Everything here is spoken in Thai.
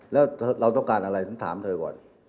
แล้วเราต้องการอะไรผมถามเธอก่อน